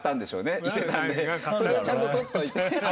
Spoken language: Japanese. それをちゃんと取っといて。